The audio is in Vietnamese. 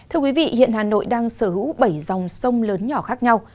hiện hà nội đang sở hữu bảy dòng sông lớn nhỏ khác nhau